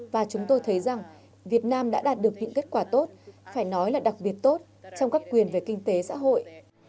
và chúng tôi thấy rằng việt nam đã đạt được những kết quả tốt phải nói là đặc biệt tốt trong các quyền về kinh tế xã hội